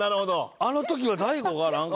あの時は大悟がなんか。